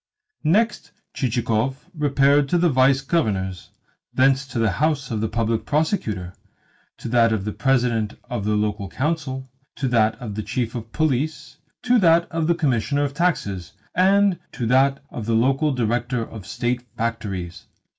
Next, Chichikov repaired to the Vice Governor's, and thence to the house of the Public Prosecutor, to that of the President of the Local Council, to that of the Chief of Police, to that of the Commissioner of Taxes, and to that of the local Director of State Factories.